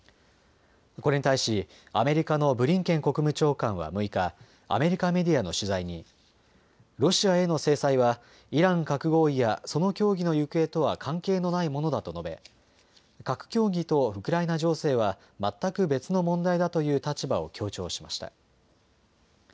これに対しアメリカのブリンケン国務長官は６日、アメリカメディアの取材にロシアへの制裁はイラン核合意やその協議の行方とは関係のないものだと述べ、核協議とウクライナ情勢は全く別の問題だという立場を強調しました。